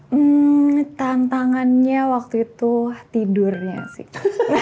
hmm ini tantangannya waktu itu tidurnya sih